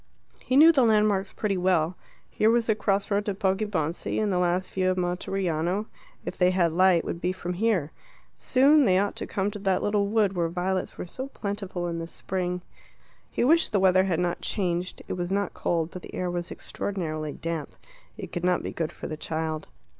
He knew the landmarks pretty well: here was the crossroad to Poggibonsi; and the last view of Monteriano, if they had light, would be from here. Soon they ought to come to that little wood where violets were so plentiful in spring. He wished the weather had not changed; it was not cold, but the air was extraordinarily damp. It could not be good for the child.